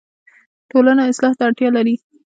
ټولنه اصلاح ته اړتیا لري